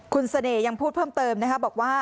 คุณเสน่ห์ยังพูดเพิ่มเติมนะคะบอกว่า